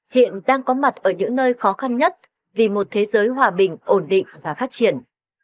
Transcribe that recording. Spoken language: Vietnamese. hiện đang có mặt ở những nơi khó khăn nhất vì một thế giới hòa bình ổn định và phát triển